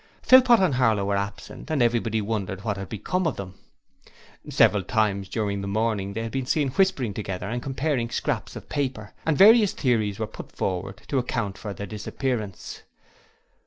Philpot and Harlow were absent and everybody wondered what had become of them. Several times during the morning they had been seen whispering together and comparing scraps of paper, and various theories were put forward to account for their disappearance.